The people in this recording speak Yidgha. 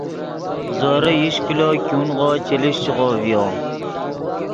زورے ایش کلو ګونغو چے لیشچیغو ڤیو